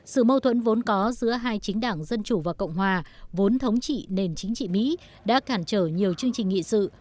sự mâu thuẫn vốn có giữa hai chính đảng dân chủ và cộng hòa vốn thống trị nền chính trị mỹ đã cản trở nhiều chương trình nghị sự